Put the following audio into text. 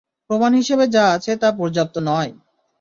প্রমাণ হিসেবে যা আছে তা পর্যাপ্ত নয়!